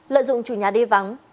lợi dụng chủ nhà đi vắng